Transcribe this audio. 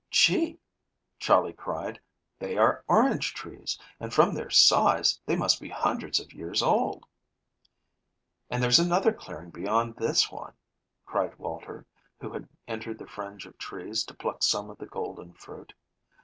"Gee!" Charley cried, "they are orange trees, and, from their size, they must be hundreds of years old." "And there's another clearing beyond this one," cried Walter, who had entered the fringe of trees to pluck some of the golden fruit.